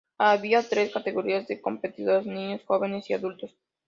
Había tres categorías de competidores: niños, jóvenes y adultos.